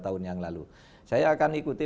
tahun yang lalu saya akan ikuti